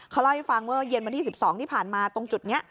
เขาเล่าให้ฟังเมื่อเย็นวันที่๑๒ที่ผ่านมาตรงจุดนี้